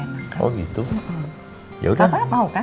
mau ngajakin kita makan di restoran karena bu rosa baru pulang dari penang